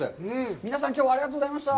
皆さん、きょうはありがとうございました。